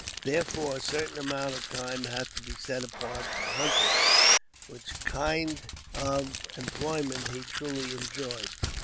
Therefore, a certain amount of time had to be set apart for hunting, which kind of employment he truly enjoyed.